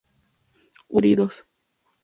Hubo dos heridos.